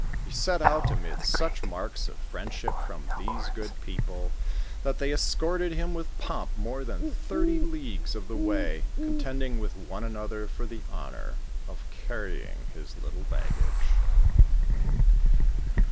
He set out amid such marks of friendship from these good people, that they escorted him with pomp more than thirty leagues of the way, contending with one another for the honor of carrying his little baggage.